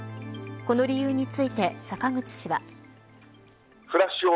この理由について坂口氏は。さらに。